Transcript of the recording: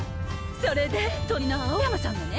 それで隣の青山さんがね